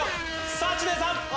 さぁ知念さん。